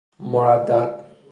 مردد